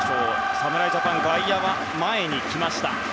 侍ジャパン外野は前に来ました。